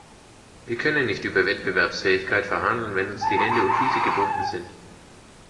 Wir können nicht über Wettbewerbsfähigkeit verhandeln, wenn uns die Hände und Füße gebunden sind.